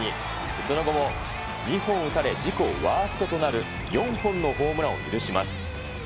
その後も２本打たれ、自己ワーストとなる４本のホームランを許します。